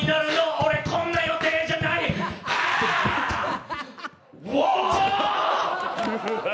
俺こんな予定じゃない、ああ！